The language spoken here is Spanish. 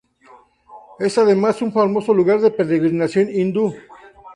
Es además un famoso lugar de peregrinación hindú.